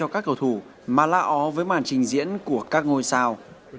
các cầu thủ mà la ó với màn trình diễn của các ngôi sao